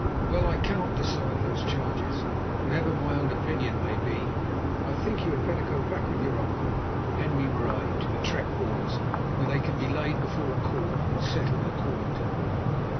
Well, I cannot decide those charges, whatever my own opinion may be. I think that you had better go back with your uncle, Henri Marais, to the trek Boers, where they can be laid before a court and settled according to law."